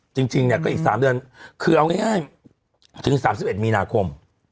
จริงเนี่ยก็อีก๓เดือนคือเอาง่ายถึง๓๑มีนาคม